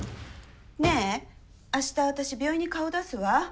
ねえ明日私病院に顔出すわ。